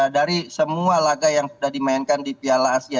dari semua laga yang sudah dimainkan di piala asia